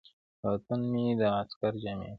د وطن مې د عسکر جامې ،